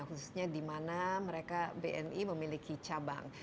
khususnya di mana mereka bni memiliki cabang